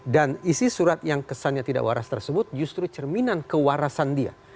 dan isi surat yang kesannya tidak waras tersebut justru cerminan kewarasan dia